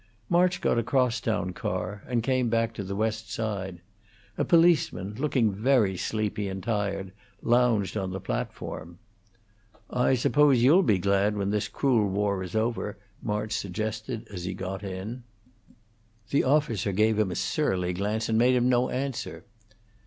March got a cross town car, and came back to the West Side. A policeman, looking very sleepy and tired, lounged on the platform. "I suppose you'll be glad when this cruel war is over," March suggested, as he got in. The officer gave him a surly glance and made him no answer.